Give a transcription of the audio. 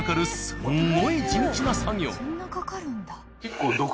そんなかかるんだ。